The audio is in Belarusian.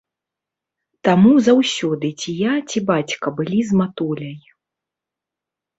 Таму заўсёды ці я, ці бацька былі з матуляй.